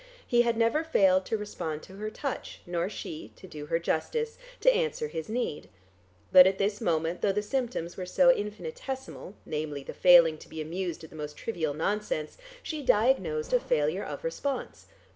He had never failed to respond to her touch, nor she, to do her justice, to answer his need. But at this moment, though the symptoms were so infinitesimal, namely the failing to be amused at the most trivial nonsense, she diagnosed a failure of response....